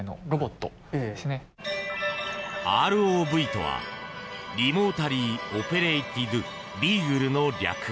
ＲＯＶとはリモータリー・オペレイティド・ビーグルの略。